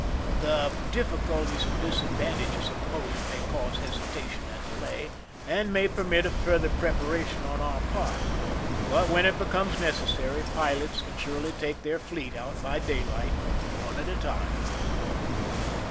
The difficulties and disadvantages imposed may cause hesitation and delay, and may permit of further preparation on our part; but when it becomes necessary,, pilots can surely take their fleet out by daylight, one at a time."